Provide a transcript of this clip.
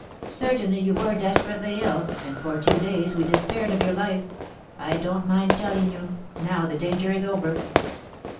"Certainly, you were desperately ill, and for two days we despaired of your life. I don't mind telling you, now the danger is over."